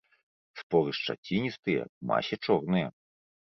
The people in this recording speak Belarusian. Споры шчаціністыя, у масе чорныя.